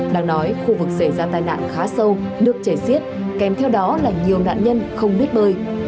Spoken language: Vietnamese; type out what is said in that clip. đang nói khu vực xảy ra tai nạn khá sâu nước chảy xiết kèm theo đó là nhiều nạn nhân không biết bơi